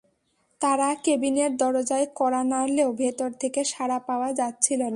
তাঁরা কেবিনের দরজায় কড়া নাড়লেও ভেতর থেকে সাড়া পাওয়া যাচ্ছিল না।